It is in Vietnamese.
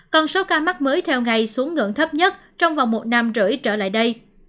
còn số ca mắc mới theo ngày xuống ngưỡng thấp nhất trong vòng một năm rưỡi trở lại đây